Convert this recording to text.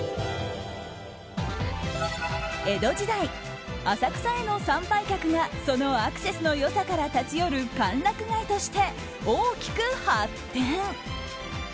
江戸時代、浅草への参拝客がそのアクセスの良さから立ち寄る歓楽街として大きく発展。